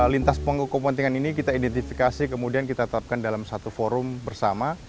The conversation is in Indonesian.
lintas penghuku kepentingan ini kita identifikasi kemudian kita tetapkan dalam satu forum bersama